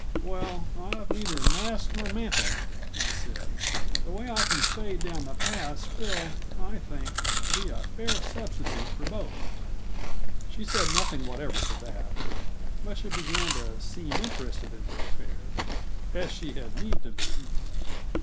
"Well, I've neither mask nor mantle," I said, "But the way I can fade down the pass will, I think, be a fair substitute for both." She said nothing whatever to that, but she began to seem interested in the affair as she had need to be.